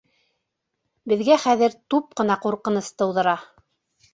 Беҙгә хәҙер туп ҡына ҡурҡыныс тыуҙыра.